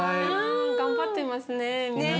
頑張ってますね皆さん。